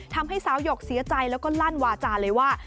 ทำให้สาวหยกเสียใจแล้วก็ลั่นวาจาเลยว่า